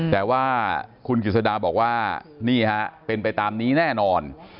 แต่ว่าคุณกิจสดาบอกว่านี่ฮะเป็นไปตามนี้แน่นอน